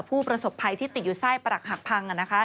ผู้ประสบภัยที่ติดอยู่ไส้ปรักหักพัง